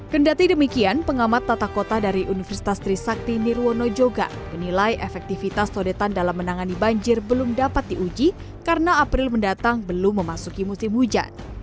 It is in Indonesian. kendati demikian pengamat tata kota dari universitas trisakti nirwono juga menilai efektivitas sodetan dalam menangani banjir belum dapat diuji karena april mendatang belum memasuki musim hujan